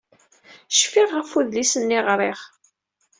Cfiɣ ɣef udlis-nni i ɣṛiɣ.